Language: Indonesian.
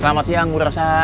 selamat siang bu rasa